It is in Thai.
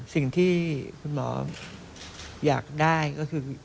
สิ่งที่คุณหมออยากได้ก็คือ